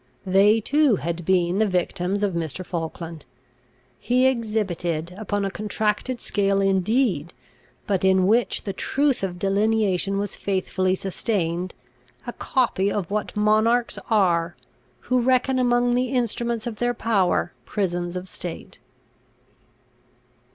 They too had been the victims of Mr. Falkland. He exhibited, upon a contracted scale indeed, but in which the truth of delineation was faithfully sustained, a copy of what monarchs are, who reckon among the instruments of their power prisons of state.